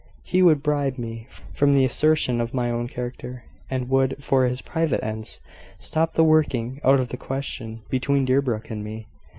He would bribe me from the assertion of my own character, and would, for his private ends, stop the working out of the question between Deerbrook and me.